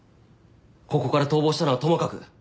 ここから逃亡したのはともかく。